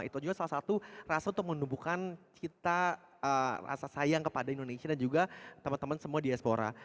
itu juga salah satu rasa untuk menumbuhkan cita rasa sayang kepada indonesia dan juga teman teman semua diaspora